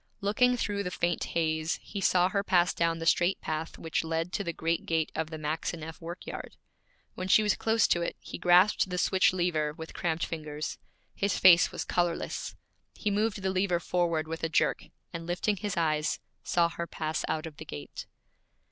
Looking through the faint haze, he saw her pass down the straight path which led to the great gate of the Maxineff work yard. When she was close to it he grasped the switch lever with cramped fingers. His face was colorless. He moved the lever forward with a jerk, and lifting his eyes, saw her pass out of the gate.